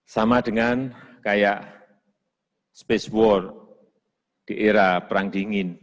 sama dengan kayak space war di era perang dingin